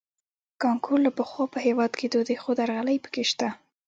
کانکور له پخوا په هېواد کې دود دی خو درغلۍ پکې شته